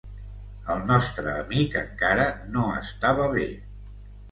El nostre amic encara no estava bé.